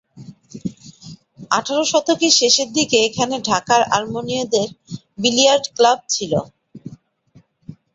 আঠারো শতকের শেষের দিকে এখানে ঢাকার আর্মেনীয়দের বিলিয়ার্ড ক্লাব ছিল।